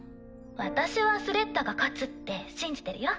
私はスレッタが勝つって信じてるよ。